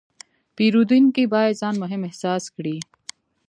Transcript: پیرودونکی باید ځان مهم احساس کړي.